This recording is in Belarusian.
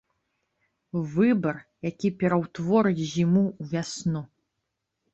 Выбар, які пераўтворыць зіму ў вясну.